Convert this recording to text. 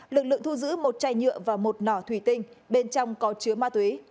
lực lượng thu giữ một chai nhựa và một nỏ thủy tinh bên trong có chứa ma túy